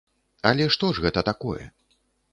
Але што ж гэта такое?